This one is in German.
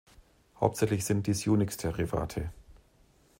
Hauptsächlich sind dies Unix-Derivate.